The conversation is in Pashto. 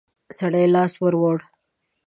سړي لاس ور ووړ.